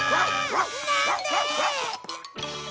なんでっ！？